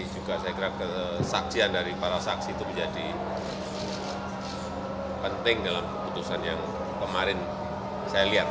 juga saya kira kesaksian dari para saksi itu menjadi penting dalam keputusan yang kemarin saya lihat